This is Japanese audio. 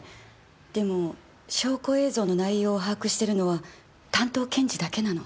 でも証拠映像の内容を把握しているのは担当検事だけなの。